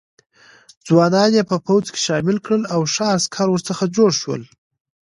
ځوانان یې په پوځ کې شامل کړل او ښه عسکر ورڅخه جوړ شول.